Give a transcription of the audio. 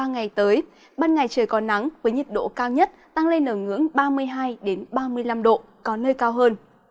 trong ba ngày tới ban ngày trời còn nắng với nhiệt độ cao nhất tăng lên ở ngưỡng ba mươi hai ba mươi năm độ có nơi cao hơn